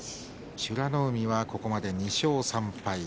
美ノ海はここまで２勝３敗。